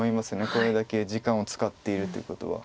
これだけ時間を使っているということは。